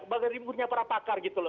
bagaimana rimbutnya para pakar gitu loh